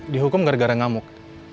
dihukum gara gara ngamuk